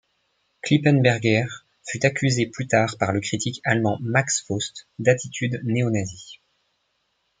Kippenberger fut accusé plus tard par le critique allemand Max Faust d’attitude néo-nazie.